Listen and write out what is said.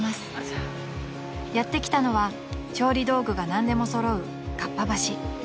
［やって来たのは調理道具が何でも揃う合羽橋］